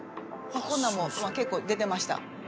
こんなんも結構出てました。